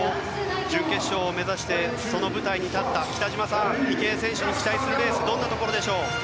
準決勝を目指してその舞台に立った北島さん池江選手に期待することはどんなところでしょう？